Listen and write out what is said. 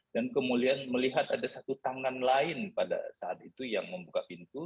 dan kemudian melihat ada satu tangan lain pada saat itu yang membuka pintu